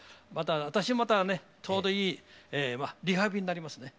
私もまたねちょうどいいリハビリになりますね。